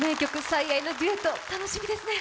「最愛」のデュエット、楽しみですね。